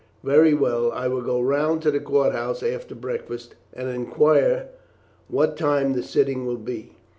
"Very well; I will go round to the court house after breakfast, and inquire what time the sitting will be.